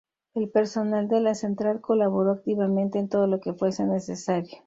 El personal de la Central colaboró activamente en todo lo que fuese necesario.